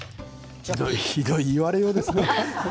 ひどい言われようですね。